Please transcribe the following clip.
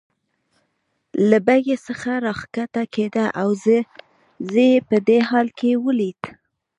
له بګۍ څخه راکښته کېده او زه یې په دې حال کې ولید.